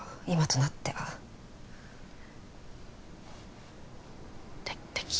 今となっては敵？